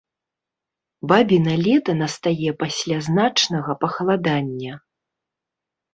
Бабіна лета настае пасля значнага пахаладання.